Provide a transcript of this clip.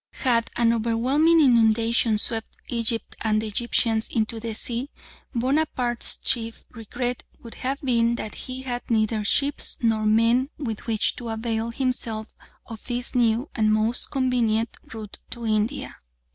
Had an overwhelming inundation swept Egypt and the Egyptians into the sea, Bonaparte's chief regret would have been that he had neither ships nor men with which to avail himself of this new and most convenient route to India.